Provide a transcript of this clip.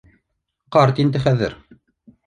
Ҡарт инде хәҙер